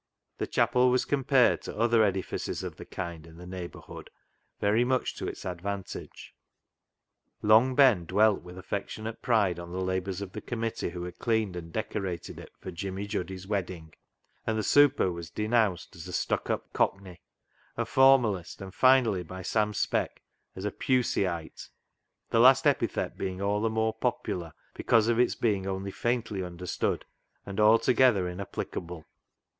The chapel was compared to other edifices of the kind in the neighbourhood, very much to its advantage. Long Ben dwelt with affec tionate pride on the labours of the committee who had cleaned and decorated it for Jimmy Juddy's wedding, and the "super" was denounced as a stuck up cockney, a formalist, and finally by Sam Speck as a Puseyite — the last epithet being all the more popular because of its being only faintly understood and altogether inapplicable.